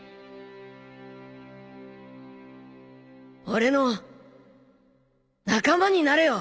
俺の仲間になれよ